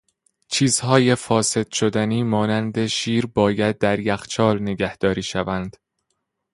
چیزهای فاسد شدنی مانند شیر باید در یخچال نگهداری شوند.